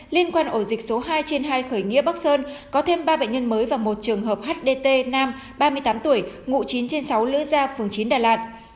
liên quan ổ dịch số hai trên hai khởi nghĩa bắc sơn có thêm ba bệnh nhân mới và một trường hợp hdt nam ba mươi tám tuổi ngụ chín trên sáu lữ gia phường chín đà lạt